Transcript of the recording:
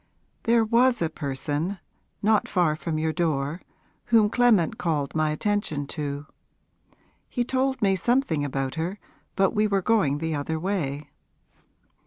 'There was a person, not far from your door, whom Clement called my attention to. He told me something about her but we were going the other way.'